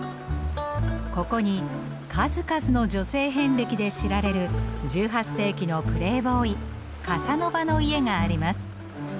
ここに数々の女性遍歴で知られる１８世紀のプレーボーイカサノバの家があります。